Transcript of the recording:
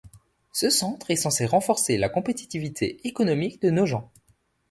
Ce centre est censé renforcer la compétitivité économique de Nogent.